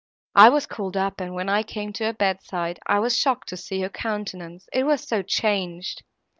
I was called up, and, when I came to her bedside, I was shocked to see her countenance—it was so changed!